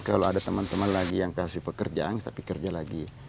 kalau ada teman teman lagi yang kasih pekerjaan tapi kerja lagi